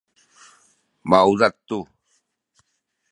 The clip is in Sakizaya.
maudad tu